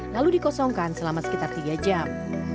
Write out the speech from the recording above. lalu dikosongkan selama sekitar tiga jam